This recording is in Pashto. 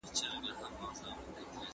هو داده رشتيا چي وه